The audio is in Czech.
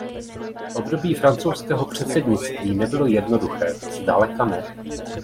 Období francouzského předsednictví nebylo jednoduché; zdaleka ne.